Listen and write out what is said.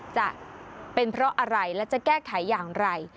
จะเป็นเพราะอะไรและจะแก้ไขอย่างไร